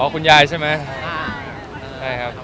คุณยายใช่มั้ย๓ที